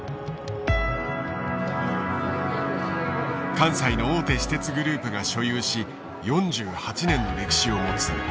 関西の大手私鉄グループが所有し４８年の歴史を持つこのホテル。